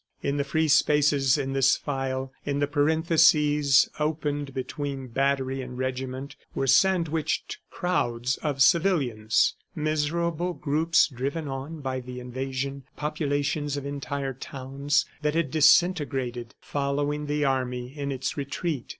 In the free spaces in this file, in the parentheses opened between battery and regiment, were sandwiched crowds of civilians miserable groups driven on by the invasion, populations of entire towns that had disintegrated, following the army in its retreat.